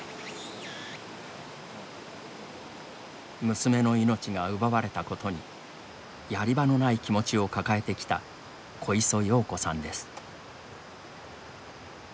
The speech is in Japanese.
娘の命が奪われたことにやり場のない気持ちを抱えてきた小磯洋子さんです。